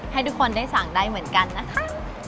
ให้ทุกคนได้สั่งได้เหมือนกันนะคะ